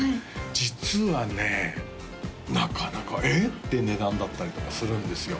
実はねなかなか「えっ！？」って値段だったりとかするんですよ